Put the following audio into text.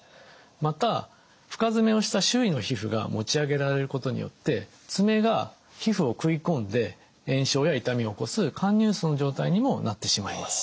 また深爪をした周囲の皮膚が持ち上げられることによって爪が皮膚をくいこんで炎症や痛みを起こす陥入爪の状態にもなってしまいます。